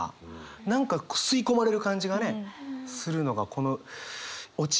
何か吸い込まれる感じがねするのがこの「落ちる」。